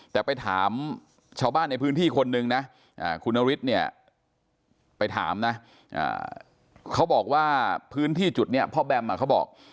แต่ไปถามชาวบ้านในพื้นที่คนนึงนะคุณนฤทธิ์เนี่ยไปถามนะเขาบอกว่าพื้นที่จุดนี้พ่อแบมเขาบอก